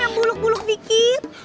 yang buluk buluk dikit